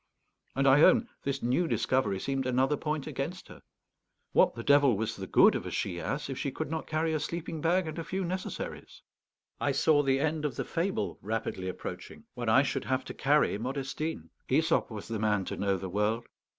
And I own this new discovery seemed another point against her. What the devil was the good of a she ass if she could not carry a sleeping bag and a few necessaries? I saw the end of the fable rapidly approaching, when I should have to carry Modestine. Æsop was the man to know the world!